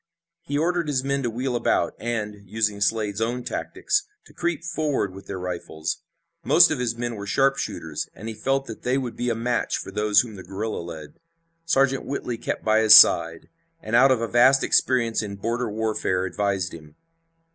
He ordered his men to wheel about, and, using Slade's own tactics, to creep forward with their rifles. Most of his men were sharpshooters and he felt that they would be a match for those whom the guerrilla led. Sergeant Whitley kept by his side, and out of a vast experience in border warfare advised him.